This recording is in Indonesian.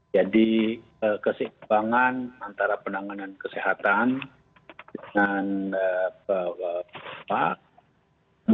jadi kesimpangan antara penanganan kesehatan dengan bapak ibu